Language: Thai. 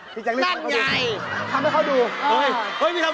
พี่จังเล่นทำไม่ได้ทำให้เข้าดูทำให้เข้าดู